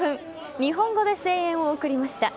日本語で声援を送りました。